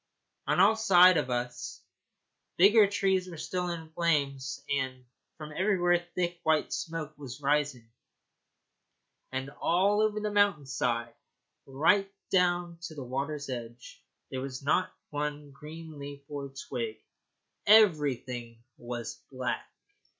On all sides of us the bigger trees were still in flames, and from everywhere thick white smoke was rising, and over all the mountain side, right down to the water's edge, there was not one green leaf or twig. Everything was black.